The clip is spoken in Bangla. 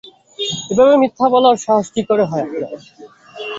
এভাবে মিথ্যা বলার সাহস কী করে হয় আপনার?